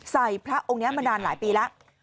พระองค์นี้มานานหลายปีแล้ว